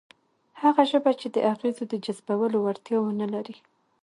هغه ژبه چې د اغېزو د جذبولو وړتیا ونه لري،